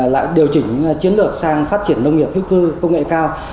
lại điều chỉnh chiến lược sang phát triển nông nghiệp hư cư công nghệ cao